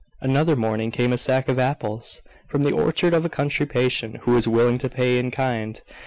Another morning, came a sack of apples, from the orchard of a country patient who was willing to pay in kind.